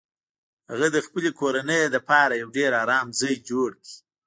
هغه د خپلې کورنۍ لپاره یو ډیر ارام ځای جوړ کړ